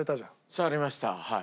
触りましたはい。